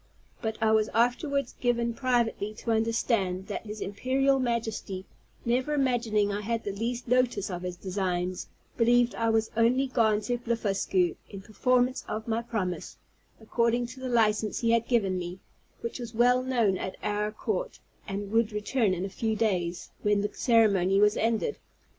But I was afterwards given privately to understand that his Imperial Majesty, never imagining I had the least notice of his designs, believed I was only gone to Blefuscu, in performance of my promise, according to the licence he had given me, which was well known at our court, and would return in a few days, when the ceremony was ended.